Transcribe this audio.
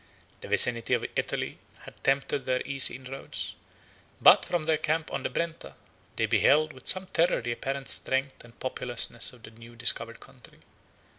32 The vicinity of Italy had tempted their early inroads; but from their camp on the Brenta, they beheld with some terror the apparent strength and populousness of the new discovered country.